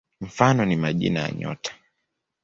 Mfano ni majina ya nyota.